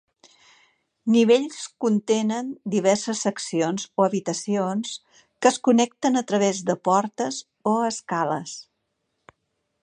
Nivells contenen diverses seccions o habitacions que es connecten a través de portes o escales.